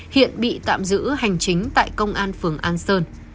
hiện bị tạm giữ hành chính tại công an phường an sơn